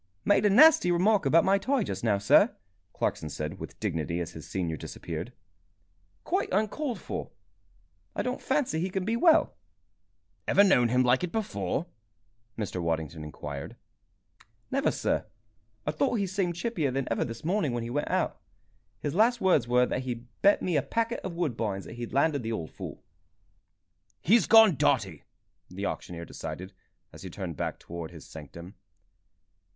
"Made a nasty remark about my tie just now, sir," Clarkson said, with dignity, as his senior disappeared. "Quite uncalled for. I don't fancy he can be well." "Ever known him like it before?" Mr. Waddington inquired. "Never, sir. I thought he seemed chippier than ever this morning when he went out. His last words were that he'd bet me a packet of Woodbines that he landed the old fool." "He's gone dotty!" the auctioneer decided, as he turned back towards his sanctum.